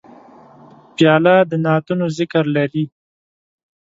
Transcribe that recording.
پیاله د نعتونو ذکر لري.